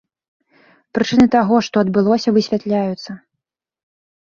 Прычыны таго, што адбылося высвятляюцца.